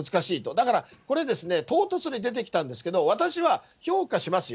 だから、これですね、唐突に出てきたんですけど、私は評価しますよ。